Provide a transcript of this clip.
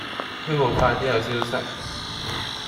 希望快啲有消息